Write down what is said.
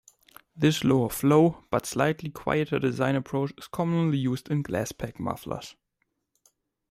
This lower flow but slightly quieter design approach is commonly used in glasspack mufflers.